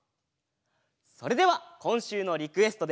それではこんしゅうのリクエストで。